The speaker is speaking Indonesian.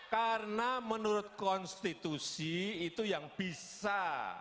karena menurut konstitusi itu yang bisa